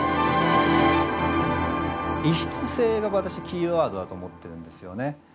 異質性が私キーワードだと思ってるんですよね。